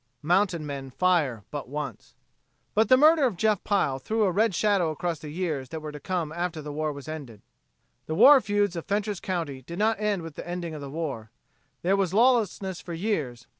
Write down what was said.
Mountain men fire but once. But the murder of Jeff Pile threw a red shadow across the years that were to come after the war was ended. The war feuds of Fentress county did not end with the ending of the war. There was lawlessness for years.